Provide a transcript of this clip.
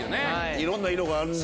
いろんな色があるんだ。